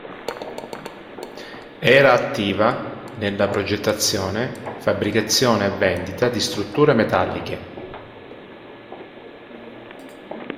Era attiva nella progettazione, fabbricazione e vendita di strutture metalliche.